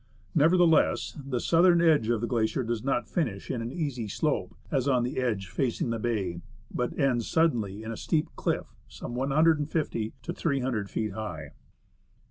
Nevertheless, the southern edge of the glacier does not finish in an easy slope, as on the edge facing the bay, but ends suddenly in a steep cliff some 1 50 to 300 feet high.